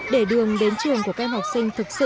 để đường đến trường của các em học sinh thực sự